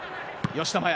吉田麻也。